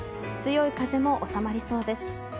強い風も収まりそうです。